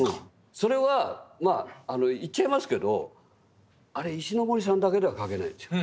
それはまあ言っちゃいますけどあれ石森さんだけでは描けないんですよ。